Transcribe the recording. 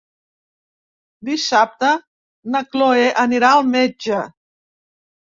Dissabte na Cloè anirà al metge.